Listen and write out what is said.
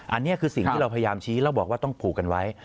อันนี้คือสิ่งที่เราพยายามชี้แล้วบอกว่าต้องผูกกันไว้